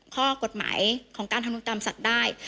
ข้อกฎหมายของการทำนุกรรมสัตว์ได้